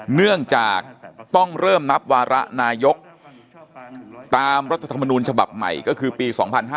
เนื่องจากต้องเริ่มนับวาระนายกตามรัฐธรรมนูญฉบับใหม่ก็คือปี๒๕๕๙